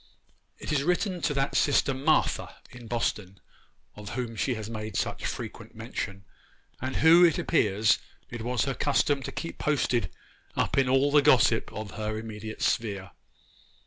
It is written to that sister 'Martha' in Boston, of whom she made such frequent mention, and who, it appears, it was her custom to keep posted up in all the gossip of her immediate sphere.